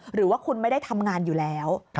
หรือว่าคุณไม่ได้ทำงานอยู่แล้ว